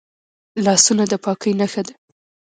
لاسونه د پاکۍ نښه ده